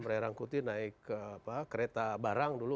merayang kuti naik kereta barang dulu